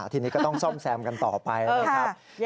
ทีนี้ก็ต้องซ่อมแซมกันต่อไปนะครับ